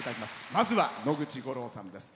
まずは野口五郎さんです。